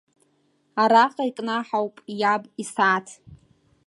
Араҟа икнаҳауп иаб исааҭ.